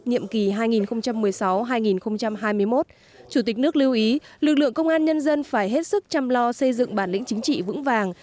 nhiệm kỳ hai nghìn một mươi sáu hai nghìn hai mươi một chủ tịch nước lưu ý lực lượng công an nhân dân phải hết sức chăm lo xây dựng bản lĩnh chính trị vững vàng